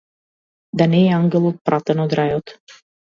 Да не е ангелот пратен од рајот.